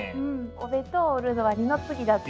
お弁当を売るのは二の次だって。